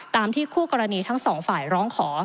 ตามที่คู่กรณีทั้งสองฝ่ายร้องขอ